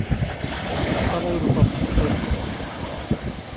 Aprazada a Eurocopa, Terio.